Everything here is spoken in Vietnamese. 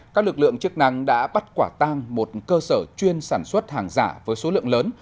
các lực lượng chức năng đã bắt quả tang một cơ sở chuyên sản xuất hàng giả với số lượng lớn